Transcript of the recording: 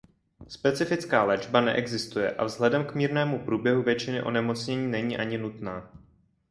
Specifická léčba neexistuje a vzhledem k mírnému průběhu většiny onemocnění není ani nutná.